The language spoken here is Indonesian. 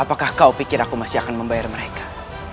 apakah kau pikir aku masih akan membayar mereka